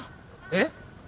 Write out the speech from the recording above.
えっ？